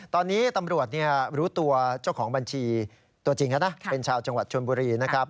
ตอนนี้ตำรวจรู้ตัวเจ้าของบัญชีตัวจริงแล้วนะเป็นชาวจังหวัดชนบุรีนะครับ